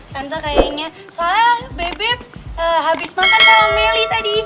tante kayaknya soalnya bebek habis makan sama meli tadi